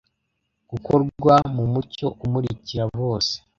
gukorwa mu mucyo umurikira bose